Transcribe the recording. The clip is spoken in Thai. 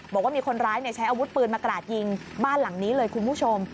บอกว่ามีคนร้ายใช้อาวุธปืนมากราดยิงบ้านหลังนี้เลยคุณผู้ชม